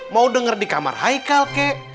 mau denger di kamar haikal kek